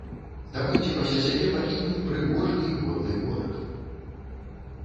Давайце пасля сябе пакінем прыгожы і годны горад.